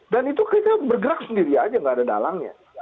dan itu kita bergerak sendiri saja tidak ada dalangnya